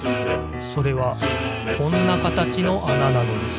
それはこんなかたちのあななのです